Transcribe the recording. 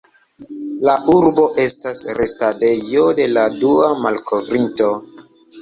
La urbo estas restadejo de la dua malkovrinto.